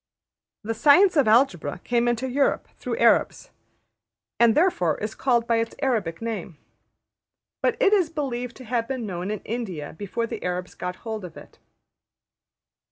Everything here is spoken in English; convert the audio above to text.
The science of Algebra came into Europe through Arabs, and therefore is called by its Arabic name. But it is believed to have been known in India before the Arabs got hold of it.